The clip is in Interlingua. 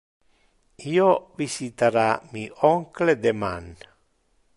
Io visitara mi oncle deman.